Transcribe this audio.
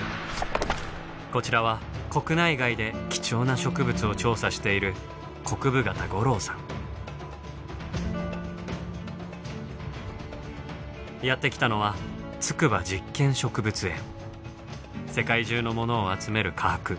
こちらは国内外で貴重な植物を調査しているやって来たのは世界中のものを集める科博。